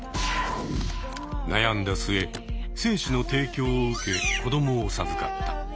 悩んだ末精子の提供を受け子どもを授かった。